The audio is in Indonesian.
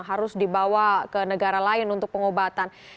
harus dibawa ke negara lain untuk pengobatan